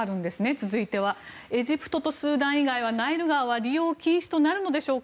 続いてはエジプトとスーダン以外はナイル川は利用禁止となるのでしょうか。